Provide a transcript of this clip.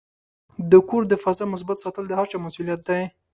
د کور د فضا مثبت ساتل د هر چا مسؤلیت دی.